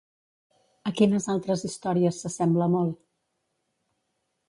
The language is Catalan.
A quines altres històries s'assembla molt?